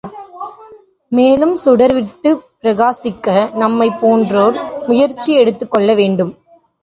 மேலும் சுடர் விட்டுப் பிரகாசிக்க நம்மைப் போன்றோர் முயற்சி எடுத்துக்கொள்ள வேண்டும்.